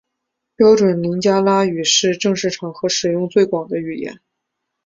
标准林加拉语是正式场合使用最广的语言。